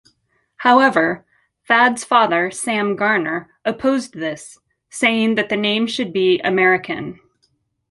However, Thad's father Sam Garner opposed this, saying that the name should be American.